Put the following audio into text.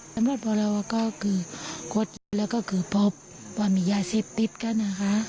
ทำรถพอเราก็คือควดหยิบแล้วก็คือพบว่ามียาซิบติดกัน